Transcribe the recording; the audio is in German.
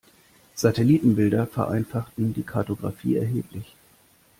Satellitenbilder vereinfachten die Kartographie erheblich.